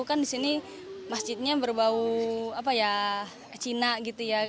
kan di sini masjidnya berbau apa ya cina gitu ya